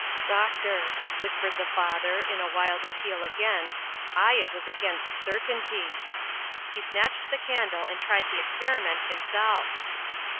"Doctor!" whispered the father, in a wild appeal against ay, it was against certainty. He snatched the candle, and tried the experiment himself.